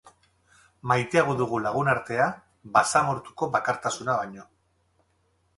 Maiteago dugu lagunartea basamortuko bakartasuna baino.